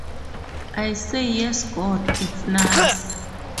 I say Yes God, It's nice.